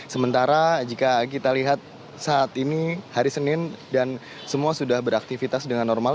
sementara jika kita lihat saat ini hari senin dan semua sudah beraktivitas dengan normal